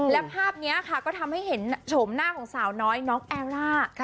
และภาพนี้ค่ะก็ทำให้เห็นโฉมหน้าของสาวน้อยน้องแอลล่า